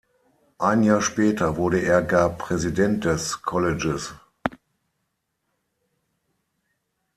Ein Jahr später wurde er gar Präsident des Colleges.